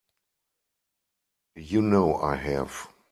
You know I have.